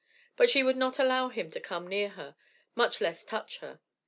But she would not allow him to come near her, much less touch her.